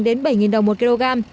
đến bảy đồng một kg